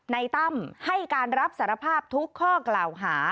ตั้มให้การรับสารภาพทุกข้อกล่าวหา